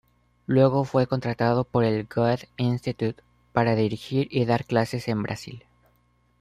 Luego fue contratado por el Goethe Institut para dirigir y dar clases en Brasil.